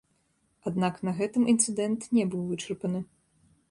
Аднак на гэтым інцыдэнт не быў вычарпаны.